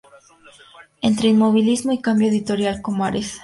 Entre inmovilismo y cambio, Editorial Comares.